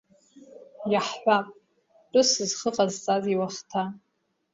Иаҳҳәап, Тәыс зхы ҟазҵаз иуахҭа.